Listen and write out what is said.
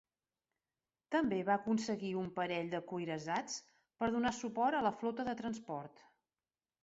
També va aconseguir un parell de cuirassats per donar suport a la flota de transport.